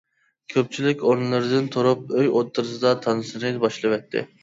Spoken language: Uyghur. كۆپچىلىك ئورۇنلىرىدىن تۇرۇپ، ئۆي ئوتتۇرىسىدا تانسىنى باشلىۋەتتى.